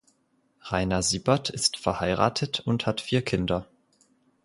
Rainer Siebert ist verheiratet und hat vier Kinder.